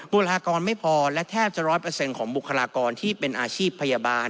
บุคลากรไม่พอและแทบจะร้อยเปอร์เซ็นต์ของบุคลากรที่เป็นอาชีพพยาบาล